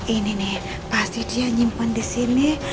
ini nih pasti dia nyimpen disini